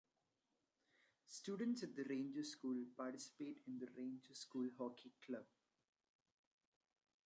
Students at the Ranger School participate in the Ranger School Hockey Club.